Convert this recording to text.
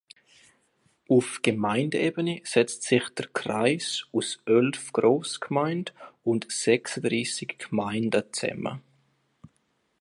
Auf Gemeindeebene setzt sich der Kreis aus elf Großgemeinden und sechsunddreißig Gemeinden zusammen.